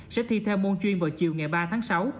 sẽ thi theo môn chuyên vào chiều ngày ba tháng sáu